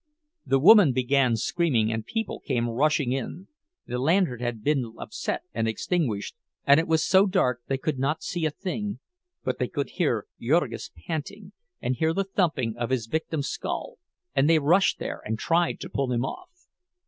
The woman began screaming, and people came rushing in. The lantern had been upset and extinguished, and it was so dark they could not see a thing; but they could hear Jurgis panting, and hear the thumping of his victim's skull, and they rushed there and tried to pull him off.